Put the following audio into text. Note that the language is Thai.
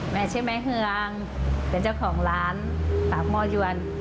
ใช่ไหมเฮืองเป็นเจ้าของร้านปากหม้อยวน